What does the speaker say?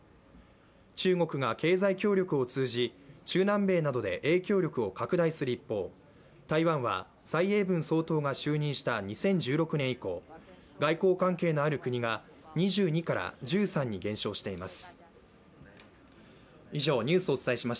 中国が経済協力を通じ中南米などで影響力を拡大する一方、台湾は蔡英文総統が就任した２０１６年以降、外交関係のある国が２２から１３に減少しています。